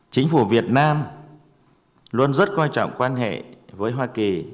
chính phủ việt nam luôn rất quan trọng quan hệ với hoa kỳ